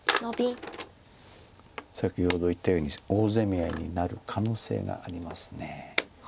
先ほど言ったように大攻め合いになる可能性があります。